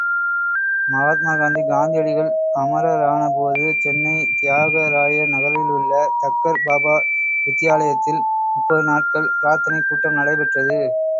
மகாத்மா காந்தியடிகள் அமரரானபோது சென்னை தியாகராய நகரிலுள்ள தக்கர் பாபா வித்யாலயத்தில் முப்பது நாட்கள் பிரார்த்தனைக் கூட்டம் நடைபெற்றது.